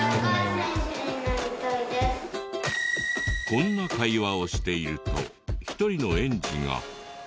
こんな会話をしていると１人の園児が。